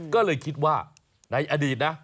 ก็เลยคิดว่าในอดีตนะ